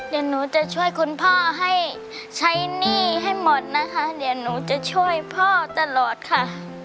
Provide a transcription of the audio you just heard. เดี๋ยวหนูจะช่วยคุณพ่อให้ใช้หนี้ให้หมดนะคะเดี๋ยวหนูจะช่วยพ่อตลอดค่ะ